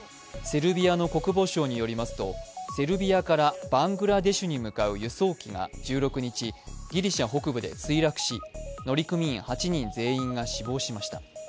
セルビアの国防相によりますと、セルビアからバングラデシュに向かう輸送機が１６日、ギリシャ北部で墜落し乗組員８人全員が死亡しました。